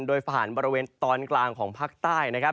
โดยผ่านบริเวณตอนกลางของภาคใต้นะครับ